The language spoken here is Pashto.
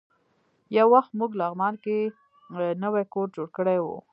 یو وخت موږ لغمان کې نوی کور جوړ کړی و.